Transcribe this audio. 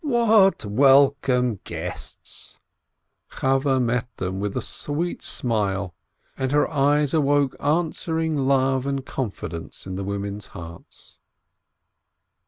"What welcome guests !" Chaweh met them with a sweet smile, and her eyes awoke answering love and confidence in the women's hearts.